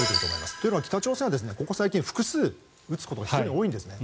というのは北朝鮮はここ最近複数撃つことが非常に多いんですね。